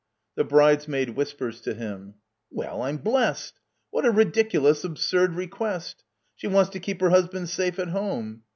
(The Bridesmaid whispers to him.) Well, I'm blest ! What a ridiculous, absurd request ! She wants to keep her husband safe at home